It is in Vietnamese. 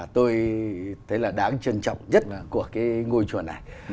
tôi thấy là đáng trân trọng nhất là của cái ngôi chùa này